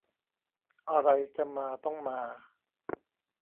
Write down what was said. อะไรจะมาต้องมา